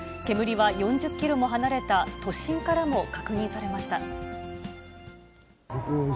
煙は４０キロも離れた都心からも確認されました。